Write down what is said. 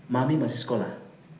mami masih sekolah